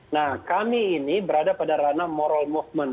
nah kami ini berada pada ranah moral movement